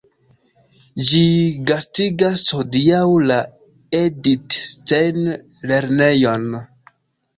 Ĝi gastigas hodiaŭ la Edith-Stein-lernejon.